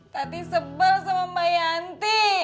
tadi sebel sama mbak yanti